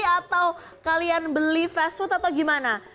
atau kalian beli fast food atau gimana